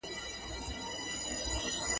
د پخلي لوښي باید تل پاک او وینځل شوي وي.